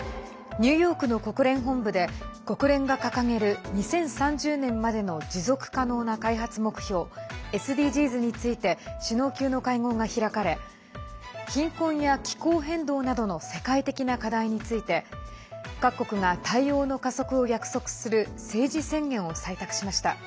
ニューヨークの国連本部で国連が掲げる、２０３０年までの持続可能な開発目標＝ＳＤＧｓについて首脳級の会合が開かれ貧困や気候変動などの世界的な課題について各国が対応の加速を約束する政治宣言を採択しました。